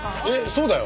そうだよ！